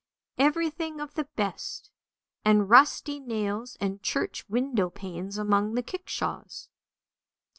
Everything of the best, and rusty nails and church window panes among the kickshaws.